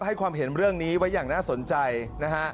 ให้ความเห็นเรื่องนี้ไว้อย่างน่าสนใจนะฮะ